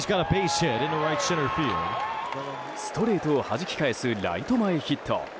ストレートをはじき返すライト前ヒット。